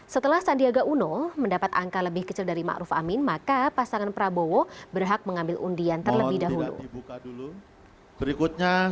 setelah sandiaga uno mendapat angka lebih kecil dari ⁇ maruf ⁇ amin maka pasangan prabowo berhak mengambil undian terlebih dahulu